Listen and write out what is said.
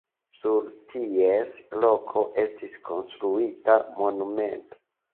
Sur ties loko estis konstruita monumento.